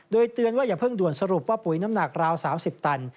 โดยเตือนว่าอย่าเพิ่งด่วนสรุปว่าปุ๋ยน้ำหนักราว๓๐ตัน